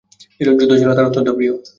যুদ্ধ ছিল তার অত্যন্ত প্রিয়।